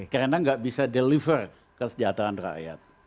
karena enggak bisa deliver kesejahteraan rakyat